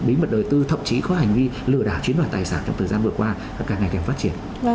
bí mật đời tư thậm chí có hành vi lừa đảo chiếm đoạt tài sản trong thời gian vừa qua càng ngày càng phát triển